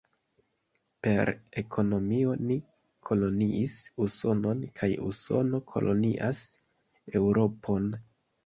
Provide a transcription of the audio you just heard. Per ekonomio ni koloniis Usonon kaj Usono kolonias Eŭropon.